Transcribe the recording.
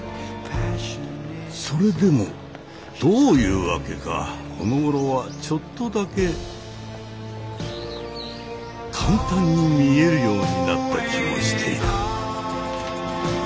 それでもどういうわけかこのごろはちょっとだけ簡単に見えるようになった気もしている。